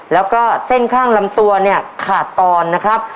และเส้นข้างลำตัวขาดตอนนะครับ